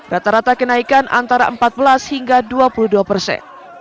rata rata kenaikan antara empat belas hingga dua puluh dua persen